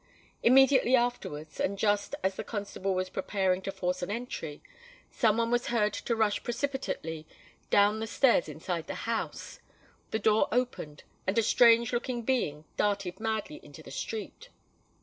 Immediately afterwards, and just as the constable was preparing to force an entry, some one was heard to rush precipitately down the stairs inside the house: the door opened, and a strange looking being darted madly into the street.